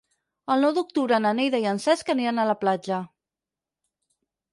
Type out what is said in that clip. El nou d'octubre na Neida i en Cesc aniran a la platja.